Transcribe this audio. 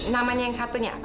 namanya yang satunya